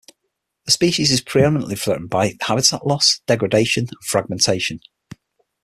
The species is pre-eminently threatened by habitat loss, degradation and fragmentation.